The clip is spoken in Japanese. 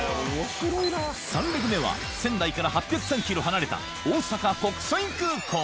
３レグ目は仙台から８０３ｋｍ離れた大阪国際空港